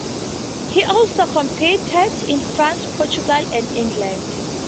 He also competed in France, Portugal and England.